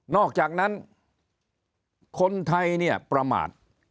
อกจากนั้นคนไทยเนี่ยประมาท